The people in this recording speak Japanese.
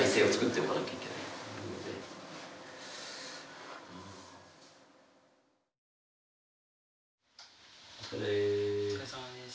お疲れさまです。